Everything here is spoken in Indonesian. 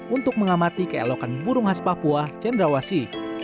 untuk mengamati keelokan burung khas papua cendrawasi